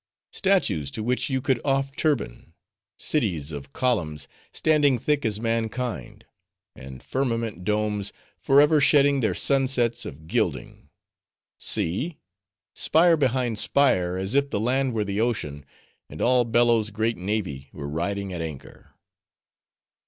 statues to which you could off turban; cities of columns standing thick as mankind; and firmanent domes forever shedding their sunsets of gilding: See! spire behind spire, as if the land were the ocean, and all Bello's great navy were riding at anchor.